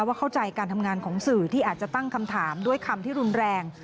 เข้าใจการทำงานของสื่อที่อาจจะตั้งคำถามด้วยคำที่รุนแรง